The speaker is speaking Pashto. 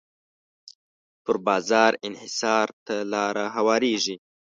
پر بازار انحصار ته لاره هواریږي.